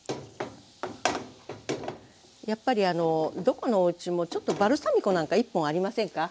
やっぱりどこのおうちもちょっとバルサミコなんか１本ありませんか？